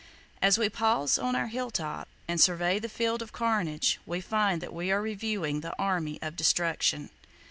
As we pause on our hill top, and survey the field of carnage, we find that we are reviewing the Army of Destruction!